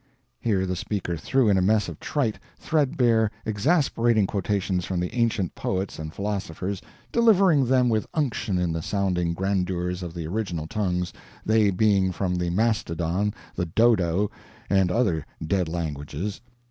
[Here the speaker threw in a mess of trite, threadbare, exasperating quotations from the ancient poets and philosophers, delivering them with unction in the sounding grandeurs of the original tongues, they being from the Mastodon, the Dodo, and other dead languages.